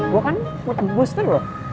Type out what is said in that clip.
gue kan buat booster loh